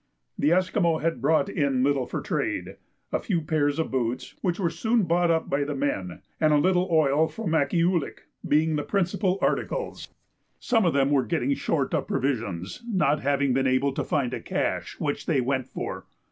The Esquimaux had brought in little for trade, a few pairs of boots, which were soon bought up by the men, and a little oil from Akkeeoulik being the principal articles. Some of them were getting short of provisions, not having been able to find a "cache" which they went for.